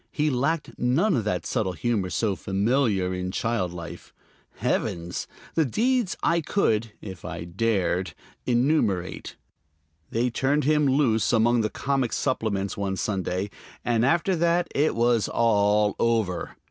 He lacked none of that subtle humor so familiar in child life. Heavens! the deeds I could (if I dared) enumerate. They turned him loose among the comic supplements one Sunday, and after that it was all over.